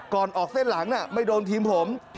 ก่อนออกเส้นหลังไม่โดนทีมผม